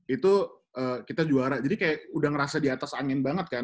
itu kita juara jadi kayak udah ngerasa di atas angin banget kan